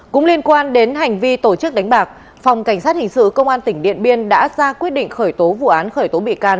cũng liên quan đến hành vi tổ chức đánh bạc phòng cảnh sát hình sự công an tỉnh điện biên đã ra quyết định khởi tố vụ án khởi tố bị can